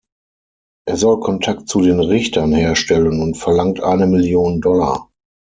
Er soll Kontakt zu den Richtern herstellen und verlangt eine Million Dollar.